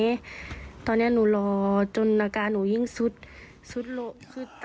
ตอนนี้หนูรอจนอาการหนูยิ่งสุด